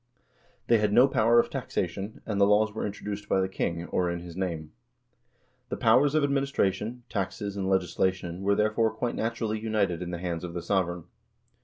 1 They had no power of taxation, and the laws were introduced by the king, or in his name. The powers of administration, taxation, and legislation were, therefore, quite naturally united in the hands of the sovereign.